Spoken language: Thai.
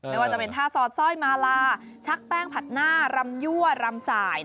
ไม่ว่าจะเป็นท่าสอดสร้อยมาลาชักแป้งผัดหน้ารำยั่วรำสาย